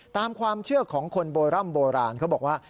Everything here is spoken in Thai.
ตามความเชื่อของคนโบร่ำโบราณเขาบอกว่า